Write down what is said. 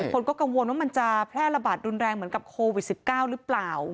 คนก็กังวลว่ามันจะแพร่ระบาดรุนแรงเหมือนกับโควิด๑๙หรือเปล่า